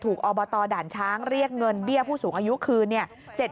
อบตด่านช้างเรียกเงินเบี้ยผู้สูงอายุคืนเนี่ย